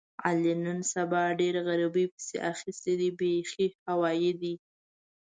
علي نن سبا ډېر غریبۍ پسې اخیستی دی بیخي هوایي دی.